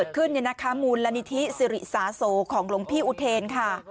ได้รับทราบทราบของลงพี่อุเทนค่ะ